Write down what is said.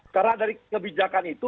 karena dari kebijakan itu